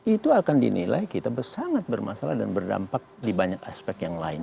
itu akan dinilai kita sangat bermasalah dan berdampak di banyak aspek yang lain